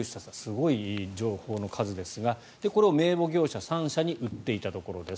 すごい情報の数ですがこれを名簿業者３社に売っていたところです。